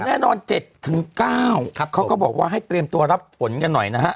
แต่แน่นอนเจ็ดถึงเก้าครับเขาก็บอกว่าให้เตรียมตัวรับฝนกันหน่อยนะฮะ